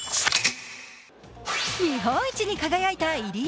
日本一に輝いた入江。